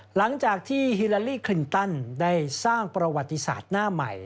หลังจากที่ฮิลาลีคลินตันได้สร้างประวัติศาสตร์หน้าใหม่